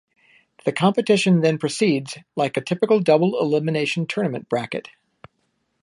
The competition then proceeds like a typical double elimination tournament bracket.